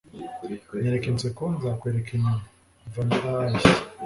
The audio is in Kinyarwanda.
nyereka inseko, nzakwereka inyuma. - vanilla ice